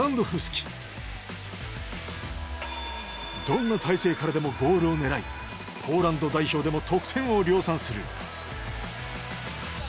どんな体勢からでもゴールを狙いポーランド代表でも得点を量産する。